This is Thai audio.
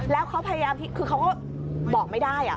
แล้วเขาพยายามที่คือเขาก็บอกไม่ได้